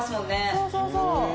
そうそうそう！